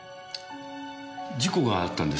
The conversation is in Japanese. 事故があったんです